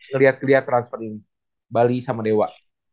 ngeliat neliat transfer ini bali sama dewa